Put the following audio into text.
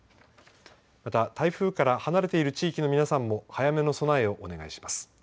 また台風から離れている地域の皆さんも早めの備えをお願いします。